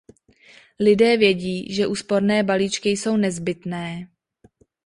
Lidé vědí, že úsporné balíčky jsou nezbytné.